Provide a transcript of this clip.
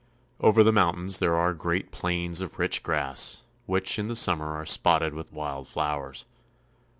Over the mountains there are great plains of rich grass, which in the summer are spotted with wild flowers.